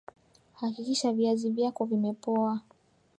hakikisha viazi vyako vimepoa